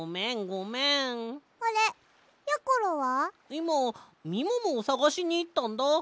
いまみももをさがしにいったんだ。